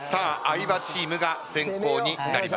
相葉チームが先攻になりました。